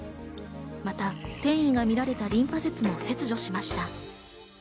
また転移がみられたリンパ節も切除しました。